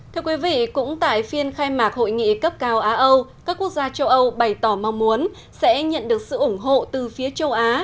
thưa quý vị cũng tại phiên khai mạc hội nghị cấp cao á âu các quốc gia châu âu bày tỏ mong muốn sẽ nhận được sự ủng hộ từ phía châu á